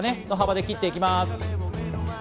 その幅で切っていきます。